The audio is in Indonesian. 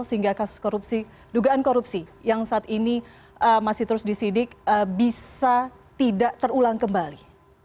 sehingga kasus korupsi dugaan korupsi yang saat ini masih terus disidik bisa tidak terulang kembali